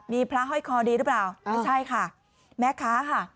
มีพระห้อยคอดีหรือเปล่าไม่ใช่ค่ะแม่ค้าค่ะ